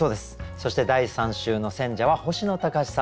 そして第３週の選者は星野高士さんです。